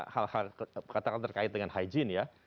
hal hal katakan terkait dengan hygiene ya